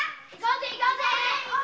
行こうぜ！